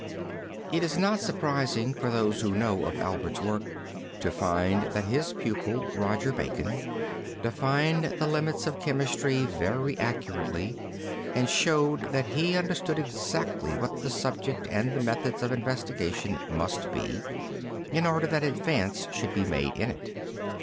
It is not surprising for those who know of Albert's work, to find that his pupil Roger Bacon defined the limits of chemistry very accurately and showed that he understood exactly what the subject and methods of investigation must be, in order that advance should be made in it.